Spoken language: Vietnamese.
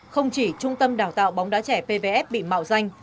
không chỉ trung tâm đào tạo bóng đá trẻ pvf bị mạo danh